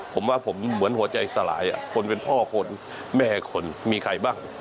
ผมว่าผมเหมือนหัวใจสลายคนเป็นพ่อคนแม่คนมีใครบ้าง